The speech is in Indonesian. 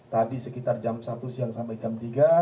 tadi sekitar jam satu siang sampai jam tiga